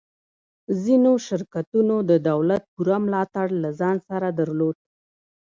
ځینو شرکتونو د دولت پوره ملاتړ له ځان سره درلود